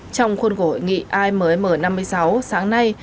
trong khuôn của hội nghị imm năm mươi sáu sáng nay